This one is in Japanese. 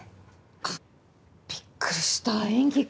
あっびっくりした演技か。